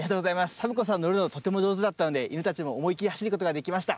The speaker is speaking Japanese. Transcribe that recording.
サボ子さんのるのとてもじょうずだったので犬たちもおもいきりはしることができました。